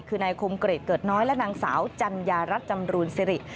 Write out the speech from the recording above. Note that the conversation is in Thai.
คือนายคมเกรดเกิดน้อยและนางสาวจัญญารัฐจำรูนสิริ